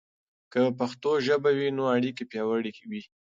که پښتو ژبه وي، نو اړیکې پياوړي وي.